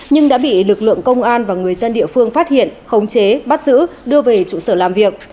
nhưng đã bị lực lượng công an và người dân địa phương phát hiện khống chế bắt giữ đưa về trụ sở làm việc